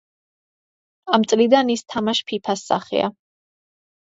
ამ წლიდან ის თამაშ ფიფას სახეა.